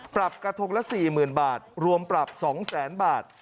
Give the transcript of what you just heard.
ปรับกระทงละ๔๐๐๐บาทรวมปรับ๒๐๐๐๐บาท